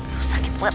aduh sakit banget